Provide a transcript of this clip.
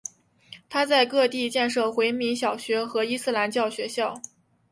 他在各地建设回民小学和伊斯兰教学校。